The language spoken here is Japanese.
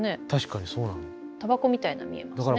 タバコみたいなの見えますね。